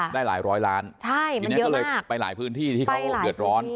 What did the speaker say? ได้หลายร้อยล้านทีนี้ก็เลยไปหลายพื้นที่ที่เขาเดือดร้อน